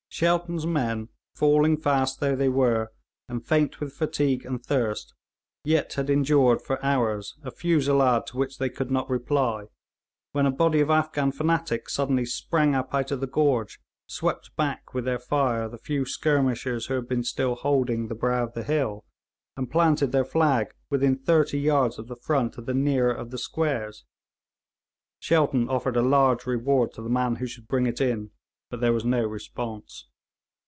Shelton's men, falling fast though they were, and faint with fatigue and thirst, yet had endured for hours a fusillade to which they could not reply, when a body of Afghan fanatics suddenly sprang up out of the gorge, swept back with their fire the few skirmishers who had been still holding the brow of the hill, and planted their flag within thirty yards of the front of the nearer of the squares. Shelton offered a large reward to the man who should bring it in, but there was no response.